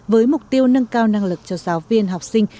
với mục tiêu nâng cao năng lực cho giáo viên học sinh